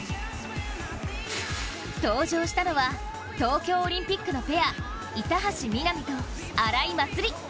登場したのは、東京オリンピックのペア板橋美波と、荒井祭里。